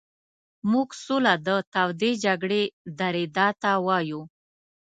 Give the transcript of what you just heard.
موږ سوله د تودې جګړې درېدا ته وایو.